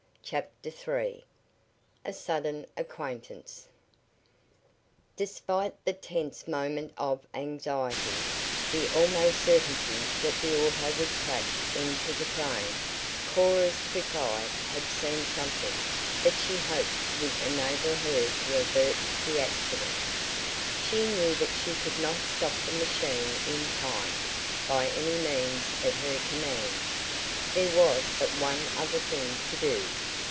CHAPTER III A SUDDEN ACQUAINTANCE Despite the tense moment of anxiety, the almost certainty that the auto would crash into the train, Cora's quick eye had seen something that she hoped would enable her to avert the accident. She knew that she could not stop the machine in time, by any means at her command. There was but one other thing to do.